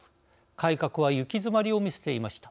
改革は行き詰まりを見せていました。